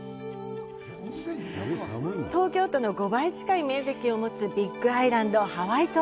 東京都の５倍近い面積を持つビッグアイランド、ハワイ島。